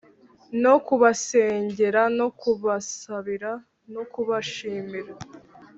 no kubasengera no kubasabira no kubashimira,